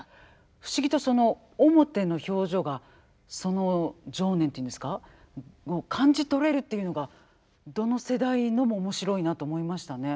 不思議とその面の表情がその情念というんですかを感じ取れるっていうのがどの世代のも面白いなと思いましたね。